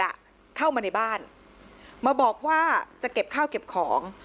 หนุ่มที่มาก่อเหตุอ่ะเข้ามาในบ้านมาบอกว่าจะเก็บข้าวเก็บของ